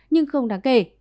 nhưng không đáng kể